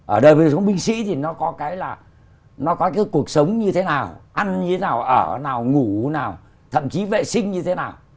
ở đời sống binh sĩ thì nó có cái là nó có cái cuộc sống như thế nào ăn như thế nào ở nào ngủ nào thậm chí vệ sinh như thế nào